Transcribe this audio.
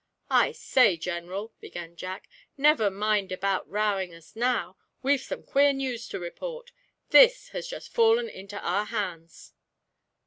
'I say, General,' began Jack, 'never mind about rowing us now; we've some queer news to report. This has just fallen into our hands.'